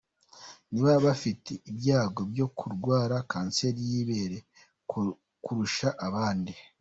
Niba bafite ibyago byo kurwara kanseri y’ ibere kurusha abandi?.